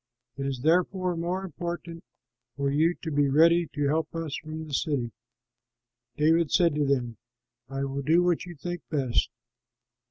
It is therefore more important for you to be ready to help us from the city." David said to them, "I will do what you think best!"